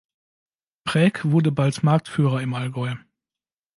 Präg wurde bald Marktführer im Allgäu.